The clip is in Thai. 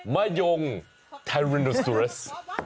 มะย่มไทรนอสโทรัส